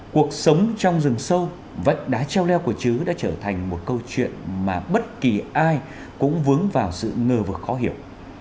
cuộc sống trong rừng sâu vách đá treo leo của chứ đã trở thành một câu chuyện mà bất kỳ ai cũng vướng vào sự ngờ và khó hiểu